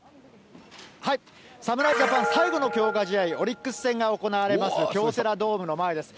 侍ジャパン、最後の強化試合、オリックス戦が行われます京セラドームの前です。